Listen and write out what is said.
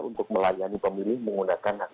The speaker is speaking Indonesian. untuk melayani pemilih menggunakan hak pilih